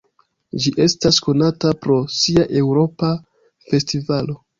Ĝi estas konata pro sia Eŭropa festivalo.